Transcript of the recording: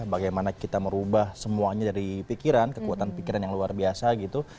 bagaimana kita merubah semuanya dari pikiran kekuatan pikiran yang luar biasa gitu